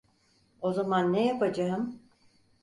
O zaman ne yapacağım?